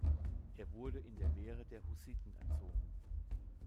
Er wurde in der Lehre der Hussiten erzogen.